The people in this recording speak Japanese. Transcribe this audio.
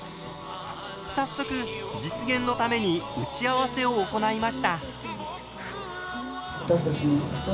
早速実現のために打ち合わせを行いました。